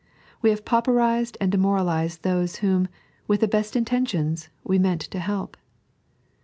We have pauperized and demoralized those whom, with the best intentions, we meant to help.